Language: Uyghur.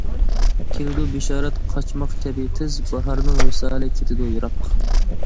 كېلىدۇ بېشارەت قاچماق كەبى تېز، باھارنىڭ ۋىسالى كېتىدۇ يىراق.